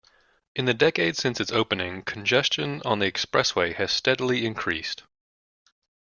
In the decades since its opening, congestion on the expressway has steadily increased.